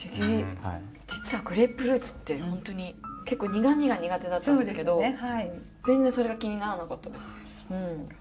実はグレープフルーツって本当に結構苦みが苦手だったんですけど全然それが気にならなかったです。